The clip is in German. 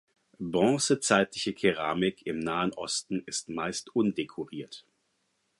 Bronzezeitliche Keramik im Nahen Osten ist meist undekoriert.